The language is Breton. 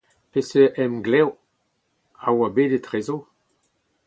Peseurt emglev 'oa bet etrezo?